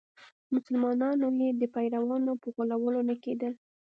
مسلمانانو یې د پیرانو په غولولو نه کېدل.